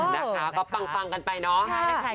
นะคะก็ปังกันไปเนาะ